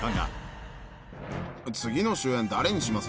次の主演、誰にします？